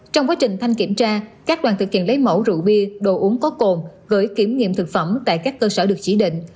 trong quá trình thanh kiểm tra các đoàn thực hiện lấy mẫu rượu bia đồ uống có cồn gửi kiểm nghiệm thực phẩm tại các cơ sở được chỉ định